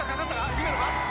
姫野か？